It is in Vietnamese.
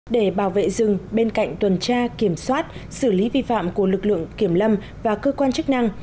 để bảo vệ rừng bên cạnh tuần tra kiểm soát xử lý vi phạm của lực lượng kiểm lâm và cơ quan chức năng